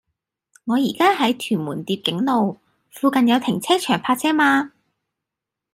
我依家喺屯門蝶景路，附近有停車場泊車嗎